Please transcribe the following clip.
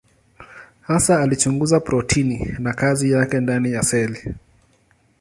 Hasa alichunguza protini na kazi yake ndani ya seli.